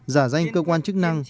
giả danh cơ quan chức năng